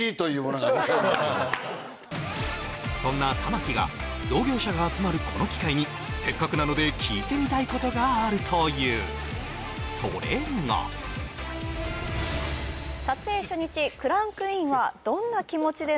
そんな玉木が同業者が集まるこの機会にせっかくなので聞いてみたいことがあるというそれがという質問ですね